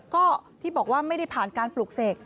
ก็ที่บอกว่าไม่ได้ผ่านการปลูกเสก